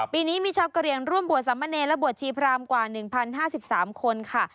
ปีนี้มีชาวกระเหลี่ยงร่วมบวชสามเณรและบวชชีพรามกว่า๑๐๕๓คนค่ะ